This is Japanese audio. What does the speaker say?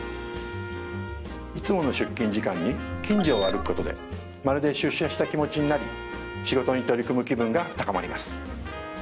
いつもの出勤時間に近所を歩くことでまるで出社した気持ちになり仕事に取り組む気分が高まります